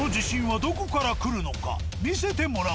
見せてもらおう。